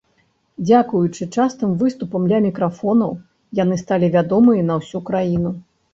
Дзякуючы частым выступам ля мікрафонаў, яны сталі вядомымі на ўсю краіну.